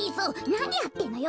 なにやってんのよ。